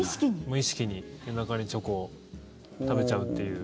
無意識に夜中にチョコを食べちゃうっていう。